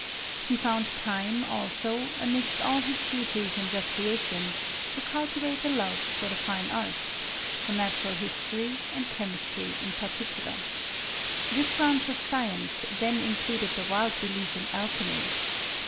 He found time, also, amidst all his duties and recreations, to cultivate a love for the fine arts, for natural history, and chemistry in particular. This branch of science then included the wild belief in al chemy.